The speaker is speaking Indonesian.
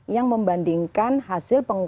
yang membandingkan hasil pengukuran